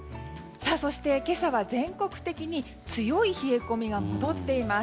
そして、今朝は全国的に強い冷え込みが戻っています。